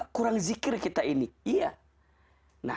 kurang berzikir kepada allah